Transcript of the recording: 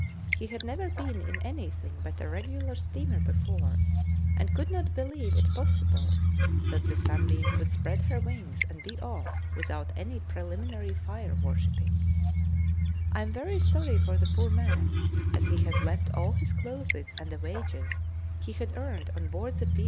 He had never been in anything but a regular steamer before, and could not believe it possible that the 'Sunbeam' could spread her wings and be off without any preliminary 'fire worshipping,' I am very sorry for the poor man, as he has left all his clothes and the wages he had earned on board the P.